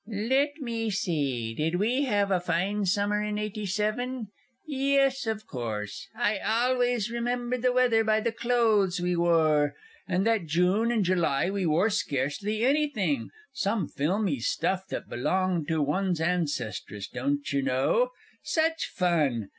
Let me see did we have a fine Summer in '87? Yes, of course I always remember the weather by the clothes we wore, and that June and July we wore scarcely anything some filmy stuff that belonged to one's ancestress, don't you know. Such fun!